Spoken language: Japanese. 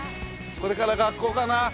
これから学校かな？